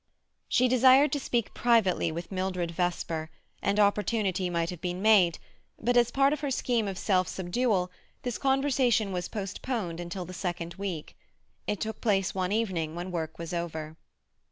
She desired to speak privately with Mildred Vesper, and opportunity might have been made, but, as part of her scheme of self subdual, this conversation was postponed until the second week. It took place one evening when work was over.